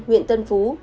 huyện tân phú